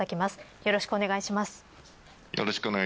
よろしくお願いします。